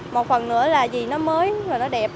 một phần nữa là gì nó mới và nó đẹp